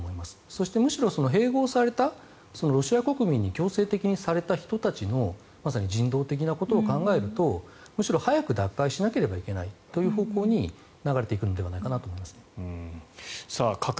そして、むしろ併合されたロシア国民に強制的にされた人たちのまさに人道的なことを考えるとむしろ早く奪回しなければいけないという方向に流れていくのではないかと思います。